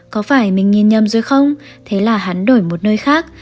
có phải mình nhìn nhầm rồi không thế là hắn đổi một nơi khác